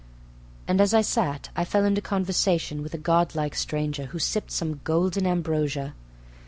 And as I sat I fell into conversation with a god like stranger who sipped some golden ambrosia.